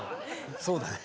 そうだね。